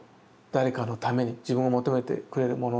誰かのために自分を求めてくれる者のために。